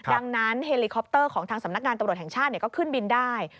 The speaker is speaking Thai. ดังนั้นเฮลิคอปเตอร์ของทางสำนักงานตำรวจแห่งชาติก็ขึ้นบินได้